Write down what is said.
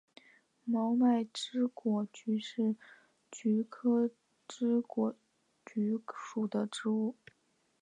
毛脉翅果菊是菊科翅果菊属的植物。